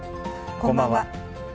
こんばんは。